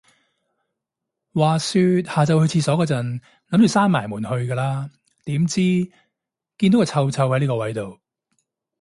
話說，下就再去廁所個陣，諗住閂門去㗎啦，點知，見到個臭臭係呢個位到